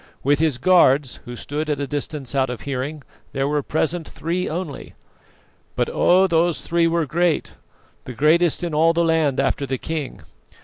With his guards, who stood at a distance out of hearing, there were present three only; but oh! those three were great, the greatest in all the land after the king.